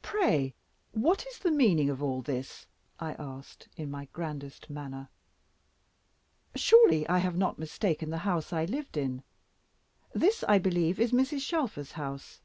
"Pray what is the meaning of all this?" I asked, in my grandest manner. "Surely I have not mistaken the house I lived in. This, I believe, is Mrs. Shelfer's house?"